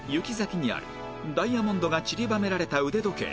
きにあるダイヤモンドが散りばめられた腕時計